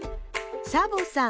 サボさん